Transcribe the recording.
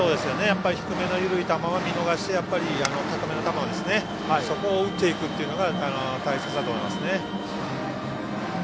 低めの緩い球は見逃して高めの球を打っていくというのが大切だと思いますね。